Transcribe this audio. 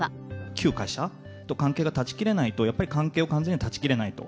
旧会社と関係が断ち切れないとやっぱり関係を完全に断ち切れないと。